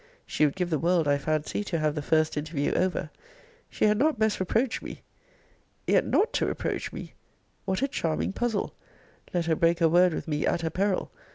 She would give the world, I fancy, to have the first interview over! She had not best reproach me yet not to reproach me! what a charming puzzle! Let her break her word with me at her peril.